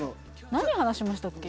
何話しましたっけ？